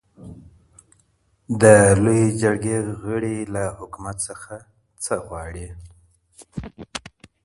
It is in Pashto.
د لويي جرګې غړي له حکومت څخه څه غواړي؟